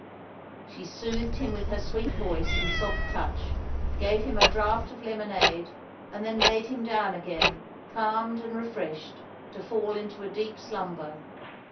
She soothed him with her sweet voice and soft touch, gave him a draught of lemonade, and then laid him down again, calmed and refreshed, to fall into a deep slumber.